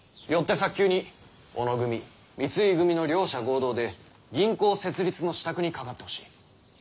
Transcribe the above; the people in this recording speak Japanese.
よって早急に小野組三井組の両者合同で銀行設立の支度にかかってほしい。